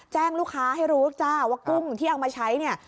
แจ้งลูกค้าให้รู้จ้าว่ากุ้งที่เอามาใช้เนี่ย